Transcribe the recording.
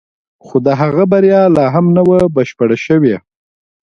خو د هغه بریا لا هم نه وه بشپړه شوې